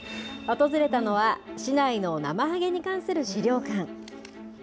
訪れたのは、市内のなまはげに関する資料館。